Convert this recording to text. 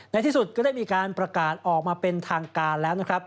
ที่สุดก็ได้มีการประกาศออกมาเป็นทางการแล้วนะครับ